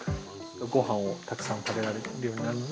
ごはんをたくさん食べられるようになるので